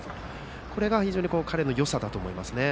これが非常に彼のよさだと思います。